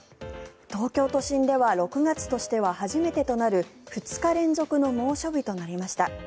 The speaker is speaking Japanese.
東京都心では６月としては初めてとなる２日連続の猛暑日となりました。